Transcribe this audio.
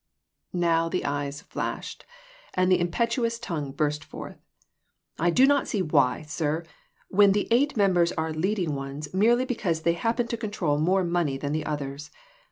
Now the eyes flashed, and the impetuous tongue burst forth. "I do not see why, sir, when the eight members are 'leading ones' merely because they happen to control more money than the others.